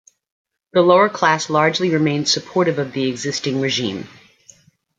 The lower classes largely remained supportive of the existing regime.